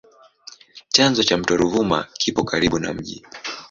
Chanzo cha mto Ruvuma kipo karibu na mji.